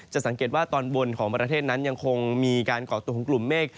สังเกตว่าตอนบนของประเทศนั้นยังคงมีการก่อตัวของกลุ่มเมฆ